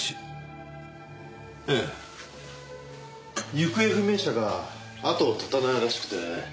行方不明者が後を絶たないらしくて。